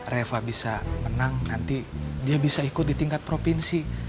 reva bisa menang nanti dia bisa ikut di tingkat provinsi